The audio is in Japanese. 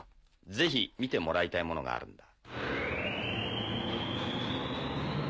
ぜひ見てもらいたいものがあるんだ。